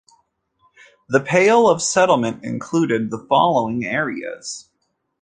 The Pale of Settlement included the following areas.